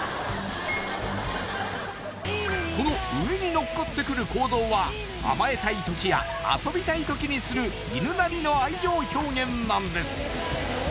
この上に乗っかってくる行動は甘えたい時や遊びたい時にする犬なりの愛情表現なんです